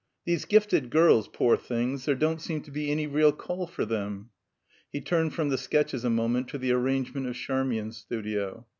These gifted girls, poor things, there don't seem to be any real call for them." He turned from the sketches a moment to the arrangement of Charmian's studio.